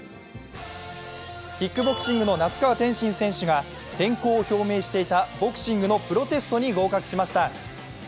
キックボクシングの那須川天心選手が転向を表明していたボクシングのプロテストに合格しました。